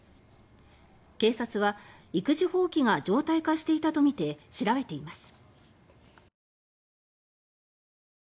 警察は、育児放棄が常態化していたとみて調べています。